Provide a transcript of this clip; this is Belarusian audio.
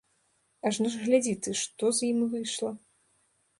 Ажно ж глядзі ты, што з ім выйшла?